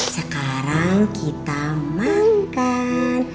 sekarang kita makan